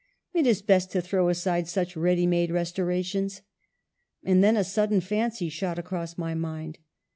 It is best to throw aside such ready made restorations. And then a sudden fancy shot across my mind.